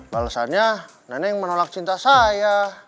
balesannya neneng menolak cinta saya